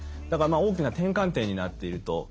だからまあ大きな転換点になっていると。